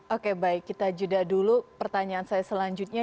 oke baik kita jeda dulu pertanyaan saya selanjutnya